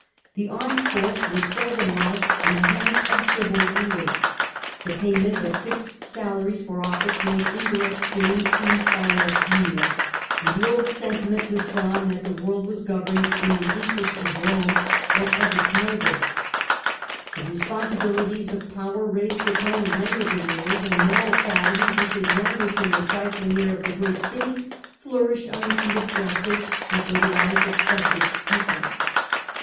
The armed force was seldom lodged in the hands of civil rulers ; the payment of fixed salaries for office made indirect gains seem far less venial ; and the old sentiment was gone that the world was governed in the interest of Rome or of its 200 CH. IX. The Age of the Antonines. nobles. The responsibilities of power raised the tone of many of the rulers, and moral qualities which had languished in the stifling air of the great city flourished on the seat of justice before the eyes of subject peoples.